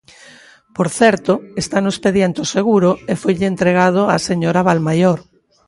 Por certo, está no expediente o seguro e foille entregado á señora Valmaior.